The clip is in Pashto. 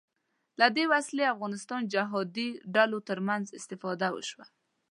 له دې وسلې افغانستان جهادي ډلو تر منځ استفاده وشوه